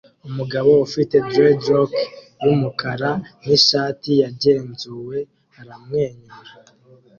Umugabo ufite dreadlock yumukara nishati yagenzuwe aramwenyura